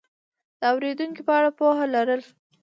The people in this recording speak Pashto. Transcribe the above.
د اورېدونکو په اړه پوهه لرل